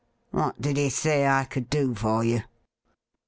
' What did he say I could do for you